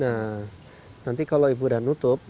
nah nanti kalau ibu udah nutup